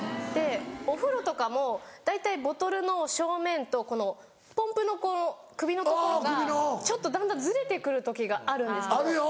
でお風呂とかも大体ボトルの正面とポンプのこの首の所がちょっとだんだんズレて来る時があるんですけど。